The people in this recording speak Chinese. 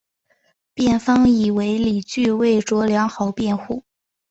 辩方以为理据为卓良豪辩护。